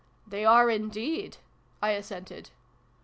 " They are, indeed" I assented.